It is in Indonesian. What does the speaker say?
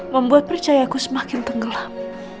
membuat percaya aku semakin tenggelam